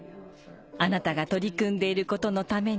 あなたが取り組んでいることのために。